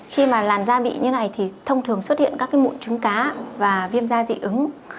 khi mà làn da bị như này thì thông thường xuất hiện các cái mũi trứng cá và viêm da dị ứng